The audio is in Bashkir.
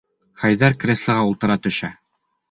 Хәйҙәр креслоға ултыра төшә.